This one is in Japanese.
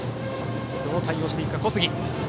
どう対応していくか、小杉。